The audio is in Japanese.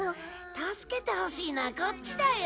助けてほしいのはこっちだよ。